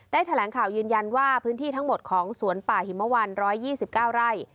แถลงข่าวยืนยันว่าพื้นที่ทั้งหมดของสวนป่าหิมวัน๑๒๙ไร่